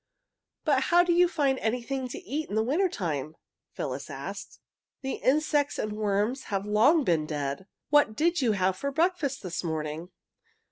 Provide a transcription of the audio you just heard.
"But how do you find anything to eat in the winter time?" Phyllis asked. "The insects and worms have long been dead. What did you have for breakfast this morning?"